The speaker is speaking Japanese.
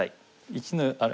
１のあれ？